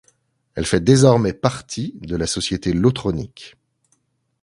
Elle fait désormais partie de la société Lotronic.